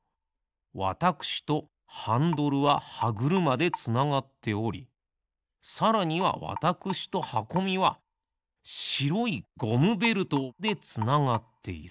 わたくしとハンドルははぐるまでつながっておりさらにはわたくしとはこみはしろいゴムベルトでつながっている。